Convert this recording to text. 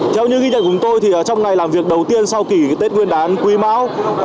theo như ghi nhận của chúng tôi thì trong ngày làm việc đầu tiên sau kỳ tết nguyên đán quý mão